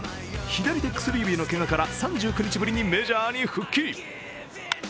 左手薬指のけがから３９日ぶりにメジャーに復帰。